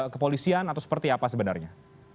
kepolisian atau seperti apa sebenarnya